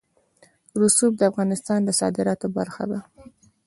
رسوب د افغانستان د صادراتو برخه ده.